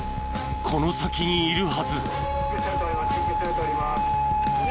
この先にいるはず。